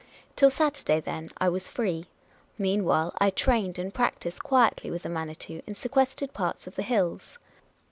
Till Saturday, then, I was free. Meanwhile, I trained, and practised quietly with the Manitou, in sequestered parts of the hills.